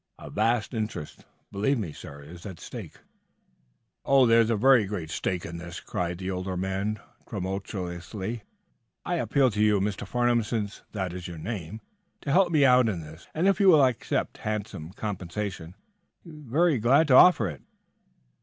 "A vast interest, believe me, sir, is at stake." "Oh, there is a very great stake in this," cried the older man, tremulously. "I appeal to you, Mr. Farnum, since that is your name, to help me out in this. And, if you will accept handsome compensation, I shall be very glad to offer it."